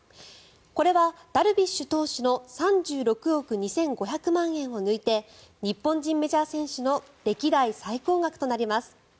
これはダルビッシュ投手の３６億２５００万円を抜いて日本人メジャー選手の歴代最高額となります。